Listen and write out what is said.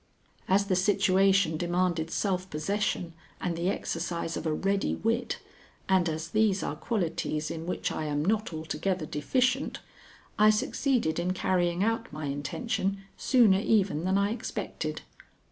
As the situation demanded self possession and the exercise of a ready wit, and as these are qualities in which I am not altogether deficient, I succeeded in carrying out my intention sooner even than I expected.